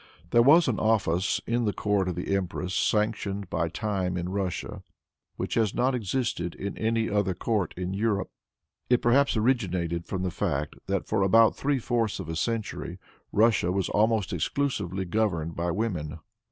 There was an office, in the court of the empress, sanctioned by time in Russia, which has not existed in any other court in Europe. It perhaps originated from the fact that for about three fourths of a century Russia was almost exclusively governed by women.